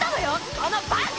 このバカ！